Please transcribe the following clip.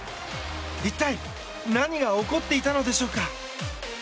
一体何が起こっていたのでしょうか。